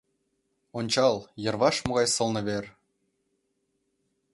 Ончал, йырваш могай сылне вер!..